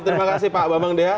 terima kasih pak abang mengdea